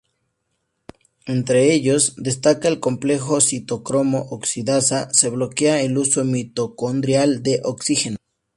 Entre ellos, destaca el complejo citocromo oxidasa: se bloquea el uso mitocondrial de oxígeno.